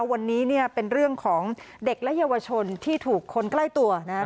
วันนี้เนี่ยเป็นเรื่องของเด็กและเยาวชนที่ถูกคนใกล้ตัวนะครับ